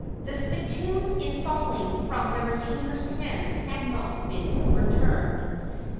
The spittoon in falling from the retainer's hand had not been overturned.